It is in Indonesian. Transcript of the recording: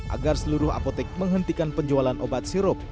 agar seluruh apotek menghentikan penjualan obat sirup